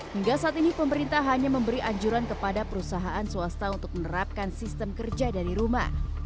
hingga saat ini pemerintah hanya memberi anjuran kepada perusahaan swasta untuk menerapkan sistem kerja dari rumah